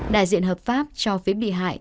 đại diện hợp pháp cho phía bị hại